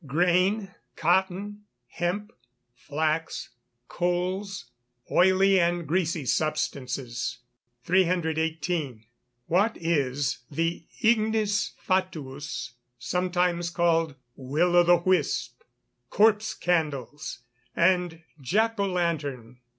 Grain, cotton, hemp, flax, coals, oily and greasy substances. 318. _What is the Ignis Fatuus (sometimes called "Will o' the Wisp", "Corpse Candles," and "Jack o' Lantern")?